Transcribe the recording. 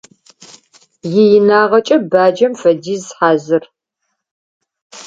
Иинагъэкӏэ баджэм фэдиз хьазыр.